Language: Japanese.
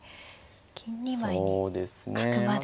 金２枚に角まで。